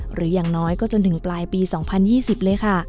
อย่างน้อยก็จนถึงปลายปี๒๐๒๐เลยค่ะ